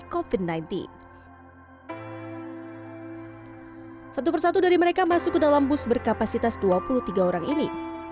kofit sembilan belas satu persatu dari mereka masuk ke dalam bus berkapasitas dua puluh tiga orang ini